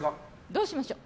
どうしましょう。